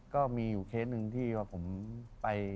ก็มีอยู่เคสหนึ่งที่ว่าผมไป